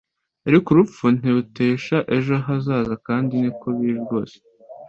ariko urupfu ntirutesha ejo hazaza kandi niko biri rwose